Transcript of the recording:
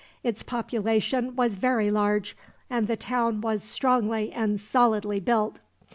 Its population was very large, and the town was strongly and solidly built.